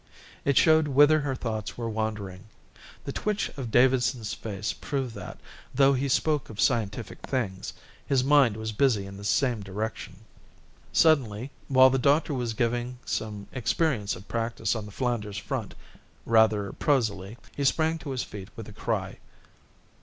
It showed whither her thoughts were wandering. The twitch of Davidson's face proved that, though he spoke of scientific things, his mind was busy in the same direction. Suddenly, while the doctor was giving some experience of practice on the Flanders front, rather prosily, he sprang to his feet with a cry.